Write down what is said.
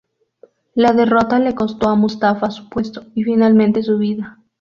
La derrota le costó a Mustafa su puesto y, finalmente, su vida.